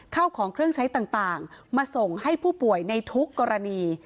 เข้าของเครื่องใช้ต่างมาส่งให้ผู้ป่วยในทุกกรณี